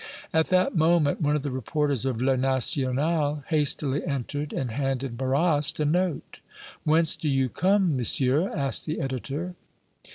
At that moment one of the reporters of "Le National" hastily entered and handed Marrast a note. "Whence do you come, Monsieur?" asked the editor.